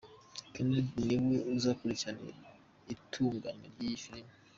Kennedy ni we uzakurikirana itunganywa ry'iyi filimi.